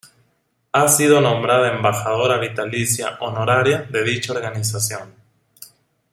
Ha sido nombrada Embajadora vitalicia honoraria de dicha organización.